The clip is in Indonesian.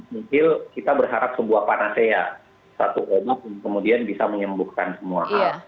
mungkin kita berharap sebuah panacea satu obat yang kemudian bisa menyembuhkan semua hal